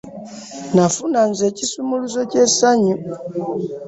Nafuna nze ekisumuluzo ky'essanyu.